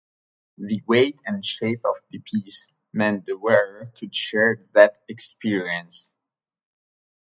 The weight and shape of the piece meant the wearer could share that experience.